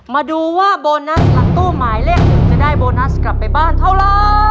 มาดูว่าโบนัสหลังตู้หมายเลข๑จะได้โบนัสกลับไปบ้านเท่าไร